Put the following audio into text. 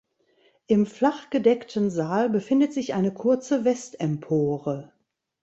Im flachgedeckten Saal befindet sich eine kurze Westempore.